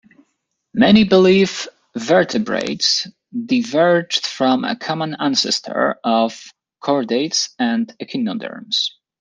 Many believe vertebrates diverged from a common ancestor of chordates and echinoderms.